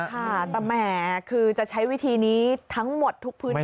ค่ะแต่แหมคือจะใช้วิธีนี้ทั้งหมดทุกพื้นที่